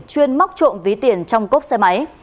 chuyên móc trộm ví tiền trong cốp xe máy